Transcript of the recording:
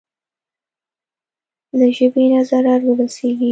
له ژبې نه ضرر ورسېږي.